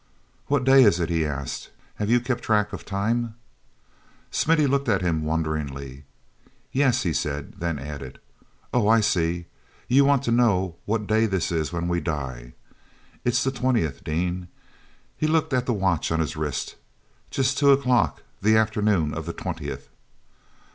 "What day is it?" he asked. "Have you kept track of time?" Smithy looked at him wonderingly. "Yes," he said, then added: "Oh, I see. You want to know what day this is when we die. It's the twentieth, Dean"—he looked at the watch on his wrist—"just two o'clock, the afternoon of the twentieth."